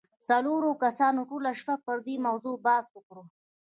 څلورو کسانو ټوله شپه پر دې موضوع بحث وکړ